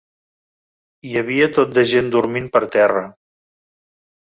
Hi havia tot de gent dormint per terra.